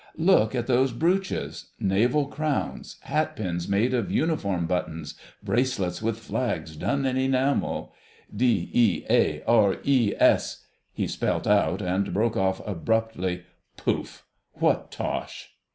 Look at those brooches: naval crowns; hat pins made of uniform buttons, bracelets with flags done in enamel—D E A R E S—" he spelt out, and broke off abruptly, "Pouf! What tosh!"